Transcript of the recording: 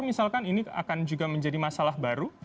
misalkan ini akan juga menjadi masalah baru